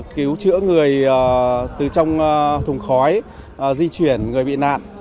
cứu chữa người từ trong thùng khói di chuyển người bị nạn